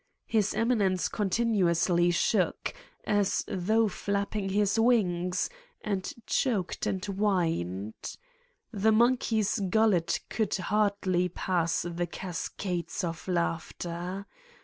His Eminence continuously shook, as though flapping his wings, and choked and whined. The monkey's gullet could hardly pass the cascades of laughter.